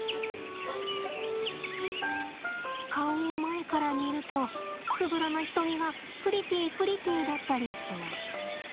顔を前から見るとつぶらな瞳がプリティープリティーだったりします。